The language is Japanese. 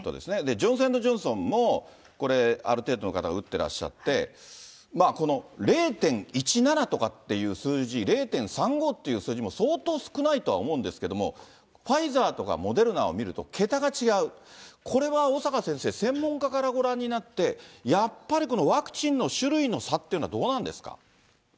ジョンソン・エンド・ジョンソンも、これ、ある程度の方が打ってらっしゃって、この０．１７とかっていう数字、０．３５っていう数字も、相当少ないとは思うんですけども、ファイザーとかモデルナを見ると桁が違う、これは小坂先生、専門家からご覧になって、やっぱりこのワクチンの種類の差っていうのはどうなんですか。